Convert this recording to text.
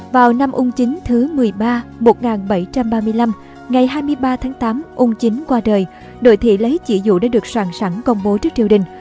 vào năm ung chính thứ một mươi ba một nghìn bảy trăm ba mươi năm ngày hai mươi ba tháng tám ung chính qua đời đội thị lấy chỉ dụ đã được soàn sẵn công bố trước triều đình